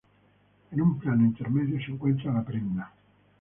En un plano intermedio, se encuentra la prenda.